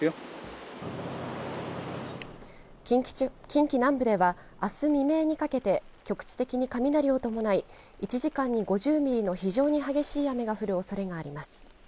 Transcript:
近畿南部では、あす未明にかけて局地的に雷を伴い１時間に５０ミリの非常に激しい雨が降るおそれがあります。